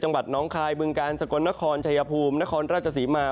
จังหวัดน้องคลายเบื้องกาลสะก็นแนะครจัยพูมแนะครราชสีมา